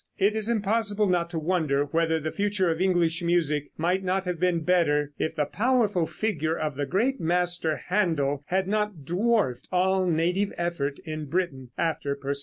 It is impossible not to wonder whether the future of English music might not have been better if the powerful figure of the great master Händel had not dwarfed all native effort in Britain after Purcell.